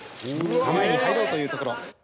構えに入ろうというところ。